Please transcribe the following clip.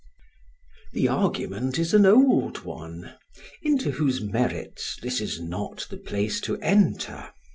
The argument is an old one into whose merits this is not the place to enter.